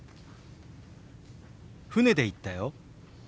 船で行ったよ。